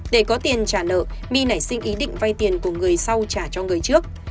để có tiền trả nợ my nảy sinh ý định vay tiền của người sau trả cho người trước